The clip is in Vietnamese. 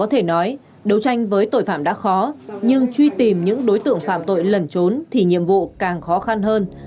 có thể nói đấu tranh với tội phạm đã khó nhưng truy tìm những đối tượng phạm tội lẩn trốn thì nhiệm vụ càng khó khăn hơn